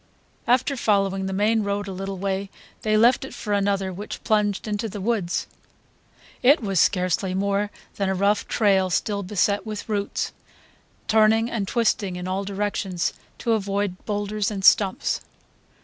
After following the main road a little way they left it for another which plunged into the woods. It was scarcely more than a rough trail, still beset with roots, turning and twisting in all directions to avoid boulders and stumps.